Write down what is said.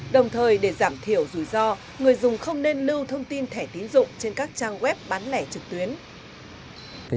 đồng thời để giảm thiểu rủi ro người dùng không nên lưu thông tin thẻ tiến dụng trên các trang web bán lẻ trực tuyến